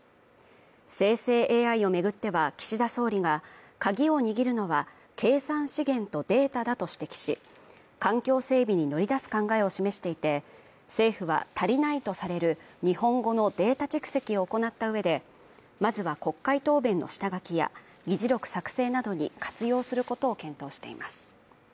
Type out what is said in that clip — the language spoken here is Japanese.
生成ＡＩを巡っては岸田総理が鍵を握るのは計算資源とデータだと指摘し環境整備に乗り出す考えを示していて政府は足りないとされる日本語のデータ蓄積を行った上でまずは国会答弁の下書きや議事録作成などに活用することを検討しています